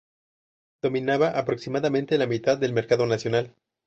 Dominaba aproximadamente la mitad del mercado nacional.